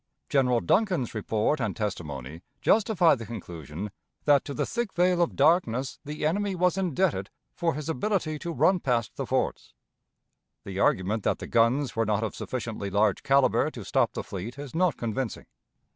General Duncan's report and testimony justify the conclusion that to the thick veil of darkness the enemy was indebted for his ability to run past the forts. The argument that the guns were not of sufficiently large caliber to stop the fleet is not convincing.